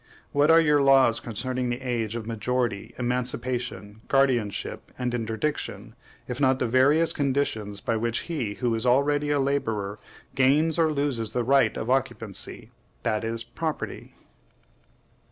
What are your laws concerning the age of majority, emancipation, guardianship, and interdiction, if not the various conditions by which he who is already a laborer gains or loses the right of occupancy; that is, property?